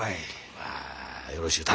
まあよろしゅう頼む。